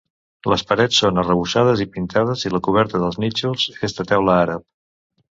Les parets són arrebossades i pintades i la coberta dels nínxols és de teula àrab.